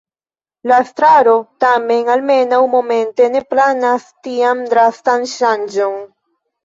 La estraro tamen almenaŭ momente ne planas tian drastan ŝanĝon.